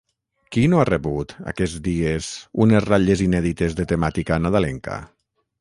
Qui no ha rebut, aquests dies, unes ratlles inèdites de temàtica nadalenca?